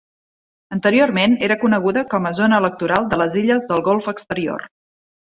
Anteriorment era coneguda com a Zona Electoral de les Illes del Golf Exterior.